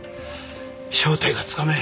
正体がつかめん。